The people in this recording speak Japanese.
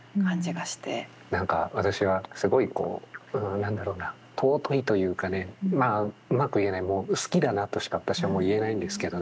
何か私はすごいこう何だろうな尊いというかねうまく言えないもう好きだなとしか私は言えないんですけどね